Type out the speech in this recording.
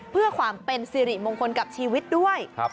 เพื่อความเป็นสิริมงคลกับชีวิตด้วย